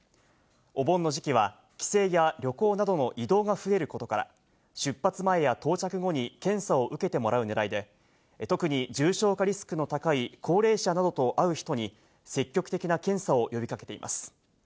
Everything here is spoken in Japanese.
お盆の時期は帰省や旅行などの移動が増えることから、出発前や到着後に検査を受けてもらう狙いで、特に重症化リスクの高い高齢者などと会う人に積極的な検査を呼びかけています。